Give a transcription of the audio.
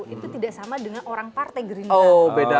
itu tidak sama dengan orang partai gerindra